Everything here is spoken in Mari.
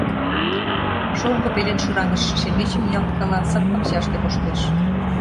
Шоҥго пелен шӱраҥыштше Шемечым ниялткала, сад-пакчаште коштеш...